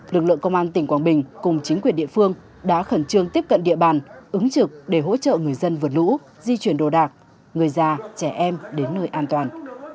lực lượng công an tỉnh quảng bình cùng chính quyền địa phương đã khẩn trương tiếp cận địa bàn ứng trực để hỗ trợ người dân vượt lũ di chuyển đồ đạc người già trẻ em đến nơi an toàn